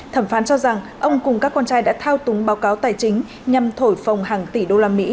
thẩm phán cho rằng ông cùng các con trai đã thao túng báo cáo tài chính nhằm thổi phồng hàng tỷ đô la mỹ